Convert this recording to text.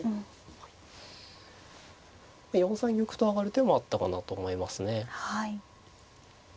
４三玉と上がる手もあったかなと思いますね。